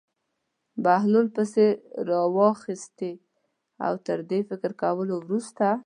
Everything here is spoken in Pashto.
بهلول پېسې واخیستې او تر ډېر فکر کولو وروسته.